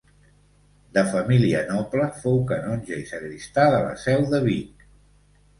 De família noble, fou canonge i sagristà de la seu de Vic.